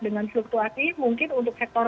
dengan fluktuasi mungkin untuk sektor